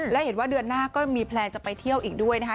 และเห็นว่าเดือนหน้าก็มีแพลนจะไปเที่ยวอีกด้วยนะคะ